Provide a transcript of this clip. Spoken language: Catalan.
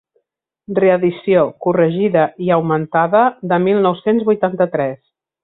Reedició, corregida i augmentada de mil nou-cents vuitanta-tres.